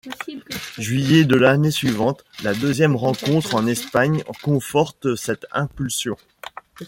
Juillet de l'année suivante, la deuxième rencontre en Espagne conforte cette impulsion.